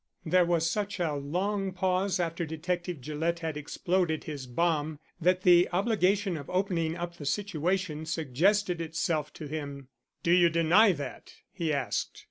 There was such a long pause after Detective Gillett had exploded his bomb, that the obligation of opening up the situation suggested itself to him. "Do you deny that?" he asked.